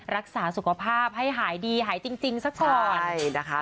รักษาสุขภาพให้หายดีหายจริงซะก่อนใช่นะคะ